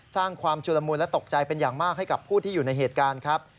สร้างความชุลมูลและตกใจเป็นอย่างมากให้กับผู้ที่อยู่ในเหตุการณ์ครับ